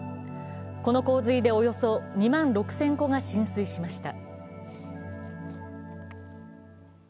この洪水でおよそ２万６０００戸が浸水しました。